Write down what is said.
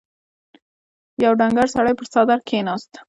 يو ډنګر سړی پر څادر کېناست.